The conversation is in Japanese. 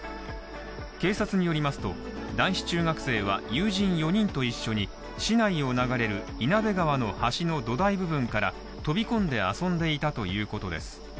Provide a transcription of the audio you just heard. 警察によりますと男子中学生は友人４人と一緒に市内を流れる員弁川の橋の土台部分から飛び込んで遊んでいたということです